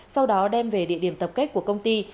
sau đó đem về địa điểm tập kết của công ty